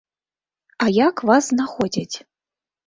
А як вас знаходзяць?